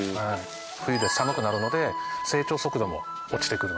冬で寒くなるので成長速度も落ちてくるので。